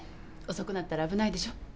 遅くなったら危ないでしょ？